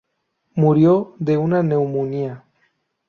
Murió de una neumonía.